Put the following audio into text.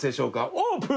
オープン！